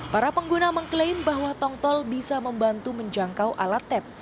para pengguna mengklaim bahwa tongtol bisa membantu menjangkau alat tap